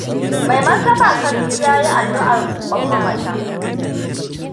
Mai Martaba Sarki ya yi addu'ar rokon mamatan.